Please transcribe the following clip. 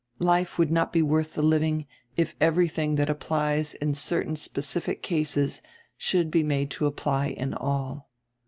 Life would not be worth the living if everything that applies in certain specific cases should be made to apply in all.